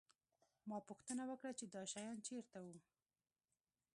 ما پوښتنه وکړه چې دا شیان چېرته وو